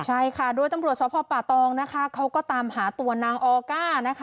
ใช่ค่ะโดยตำรวจสภป่าตองนะคะเขาก็ตามหาตัวนางออก้านะคะ